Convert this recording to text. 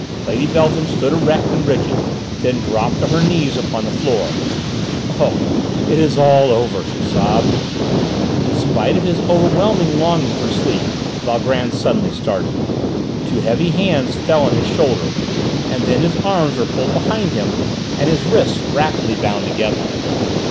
Lady Beltham stood erect and rigid: then dropped to her knees upon the floor. "Oh! It is all over!" she sobbed. In spite of his overwhelming longing for sleep, Valgrand suddenly started. Two heavy hands fell on his shoulder, and then his arms were pulled behind him and his wrists rapidly bound together.